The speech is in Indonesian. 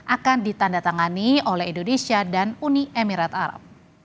akan ditanda tangani oleh indonesia dan uni emirat arab